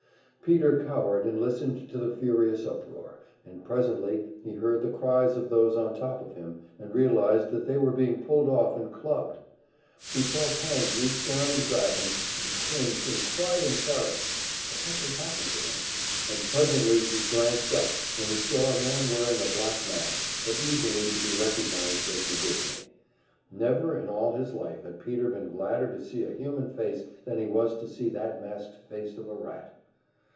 Peter cowered, and listened to the furious uproar, and presently he heard the cries of those on top of him, and realized that they were being pulled off and clubbed; he felt hands reach down and grab him, and he cringed and cried in terror; but nothing happened to him, and presently he glanced up and he saw a man wearing a black mask, but easily to be recognized as McGivney. Never in all his life had Peter been gladder to see a human face than he was to see that masked face of a rat!